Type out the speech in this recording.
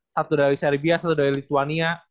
satu dari serbia satu dari lituania